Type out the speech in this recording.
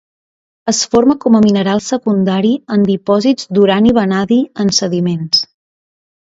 Es forma com a mineral secundari en dipòsits d'urani-vanadi en sediments.